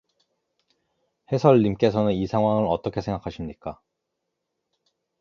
해설 님께서는 이 상황을 어떻게 생각하십니까?